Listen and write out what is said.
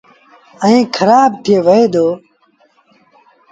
ائيٚݩ کرآب ٿئي وهي دو۔